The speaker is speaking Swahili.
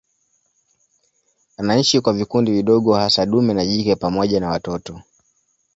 Anaishi kwa vikundi vidogo hasa dume na jike pamoja na watoto.